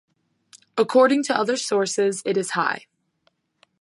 According to other sources it is high.